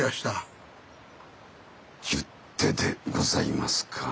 十手でございますか？